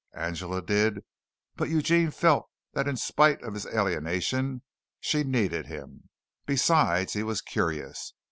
Angela did, but Eugene felt that in spite of his alienation, she needed him. Besides, he was curious.